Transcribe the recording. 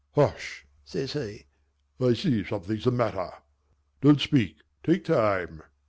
"Hush!" says he, "I see something's the matter. Don't speak take time."